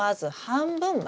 半分？